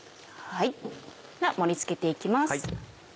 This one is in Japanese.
盛り付けて行きます。